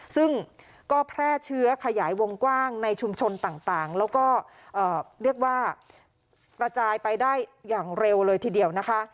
ซึ่งก็แพร่เชื้อขยายวงกว้างในชุมชนต่างแล้วก็เรียกว่ากระจายไปได้อย่างเร็วเลยทีเดียวนะคะ